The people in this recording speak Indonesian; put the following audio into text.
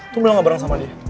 tunggu dulu ngobrol sama dia